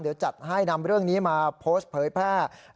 เดี๋ยวจัดให้นำเรื่องนี้มาโพสต์เผยแพร่